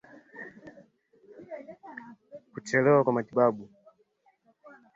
Kuchelewa kwa matibabu